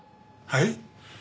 はい？